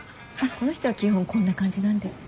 この人は基本こんな感じなんで。